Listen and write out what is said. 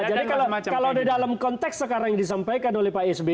jadi kalau di dalam konteks sekarang yang disampaikan oleh pak s b